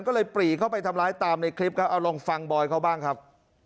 ก็เลยปรีเข้าไปทำร้ายตามในคลิปครับเอาลองฟังบอยเขาบ้างครับ